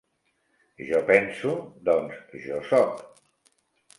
Jo penso, doncs jo soc.